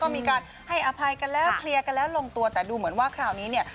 มีการให้อภัยกันแล้วเคลียร์กันแล้วลงตัวแต่ดูเหมือนว่าคราวนี้เนี่ย